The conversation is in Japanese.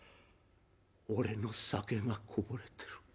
「俺の酒がこぼれてる。